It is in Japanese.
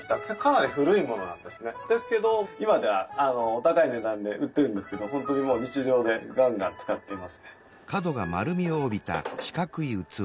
ですけど今ではお高い値段で売ってるんですけど本当にもう日常でガンガン使っていますね。